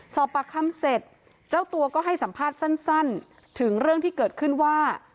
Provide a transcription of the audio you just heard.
สอบปากคำเสร็จเจ้าตัวก็ให้สัมภาษณ์สั้นถึงเรื่องที่เกิดขึ้นว่า